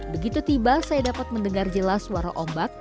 begitu tiba saya dapat mendengar jelas suara ombak